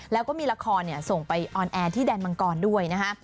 แล้วก็มีละครส่งไปออนแอร์ที่แดนมังกรด้วยนะฮะ